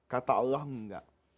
kata allah enggak